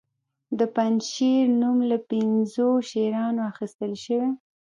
د پنجشیر نوم له پنځو شیرانو اخیستل شوی